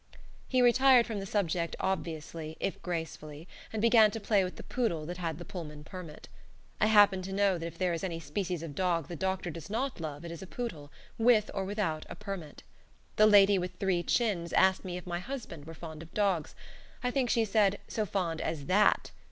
He retired from the subject obviously, if gracefully, and began to play with the poodle that had the Pullman permit. I happen to know that if there is any species of dog the doctor does not love it is a poodle, with or without a permit. The lady with three chins asked me if my husband were fond of dogs I think she said, so fond as THAT.